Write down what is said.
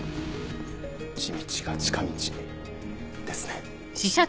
地道が近道ですね。